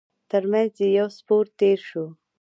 تر مينځ يې يو سپور تېر شو.